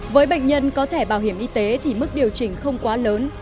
với bệnh nhân có thẻ bảo hiểm y tế thì mức điều chỉnh không quá lớn